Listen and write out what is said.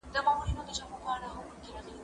هم راغلي كليوال وه هم ښاريان وه